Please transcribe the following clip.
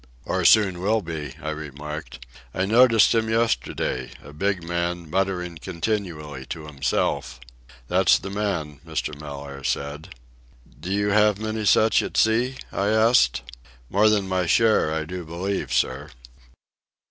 "Or soon will be," I remarked. "I noticed him yesterday, a big man muttering continually to himself?" "That's the man," Mr. Mellaire said. "Do you have many such at sea?" I asked. "More than my share, I do believe, sir."